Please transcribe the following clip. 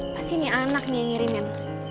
apa sih ini anak nih yang ngirimin